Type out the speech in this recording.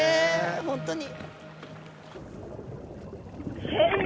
本当に。